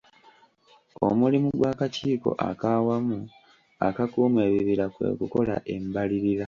Omulimu gw'Akakiiko ak'Awamu Akakuuma Ebibira kwe kukola embalirira.